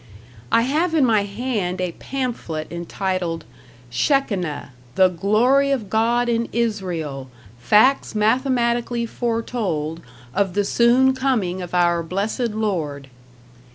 I have in my hand a pamphlet entitled "Shekineh: The Glory of God in Israel, Facts Mathematically Foretold, of the Soon Coming of Our Blessed Lord."